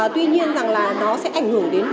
tuy nhiên nó sẽ ảnh hưởng đến